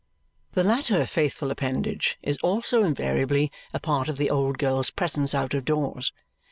The latter faithful appendage is also invariably a part of the old girl's presence out of doors.